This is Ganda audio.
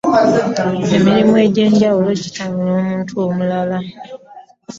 Emirimu egy'enjawulo gitambula omuntu mulamu.